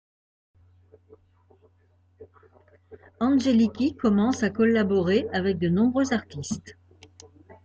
Angelikí commence à collaborer avec de nombreux artistes.